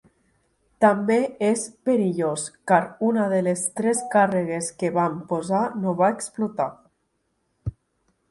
També és perillós, car una de les tres càrregues que vam posar no va explotar.